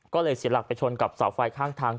ก็เลยเสียหลักไปชนกับเสาไฟข้างทาง